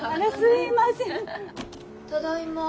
ただいま。